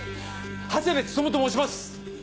長谷部勉と申します。